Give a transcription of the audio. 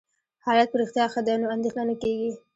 حالت په رښتیا ښه دی، نو اندېښنه نه کېږي.